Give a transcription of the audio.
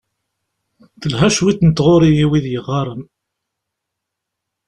Telha cwiṭ n tɣuri i wid yeɣɣaren.